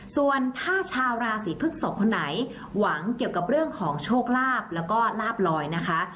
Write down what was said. ส่วนถ้าชาวราศีพฤกษกคนไหนหวังเกี่ยวกับเรื่องของโชคลาภแล้วก็ลาบลอยนะคะ